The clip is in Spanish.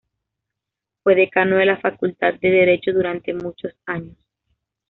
Fue decano de la Facultad de Derecho durante muchos años.